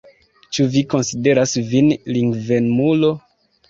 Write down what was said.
Ĉu vi konsideras vin lingvemulo?